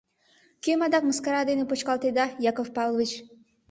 — Кӧм адак мыскара дене почкалтареда, Яков Павлович?